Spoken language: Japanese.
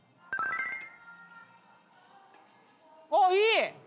あっいい！